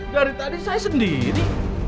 dari tadi saya sendiri